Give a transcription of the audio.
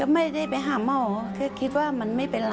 ไม่ได้ไปหาหมอแค่คิดว่ามันไม่เป็นไร